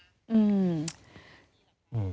อืม